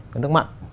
cái nước mặn